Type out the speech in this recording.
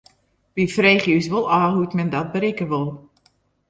We freegje ús wol ôf hoe't men dat berikke wol.